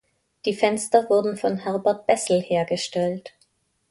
Die Fenster wurden von Herbert Bessel hergestellt.